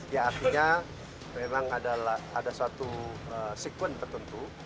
ya artinya memang ada suatu sekuen tertentu